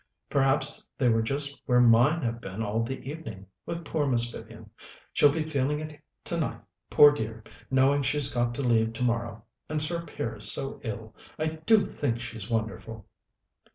"Perhaps they were just where mine have been all the evening with poor Miss Vivian. She'll be feeling it tonight, poor dear, knowing she's got to leave tomorrow, and Sir Piers so ill. I do think she's wonderful."